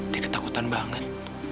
dia ketakutan banget